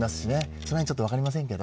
そのへん、分かりませんけど。